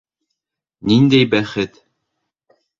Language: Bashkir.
Ниндәй бәхет!